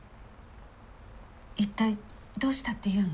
一体どうしたっていうの？